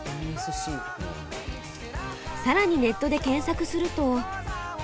更にネットで検索すると。